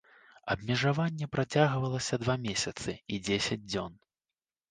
Абмежаванне працягвалася два месяцы і дзесяць дзён.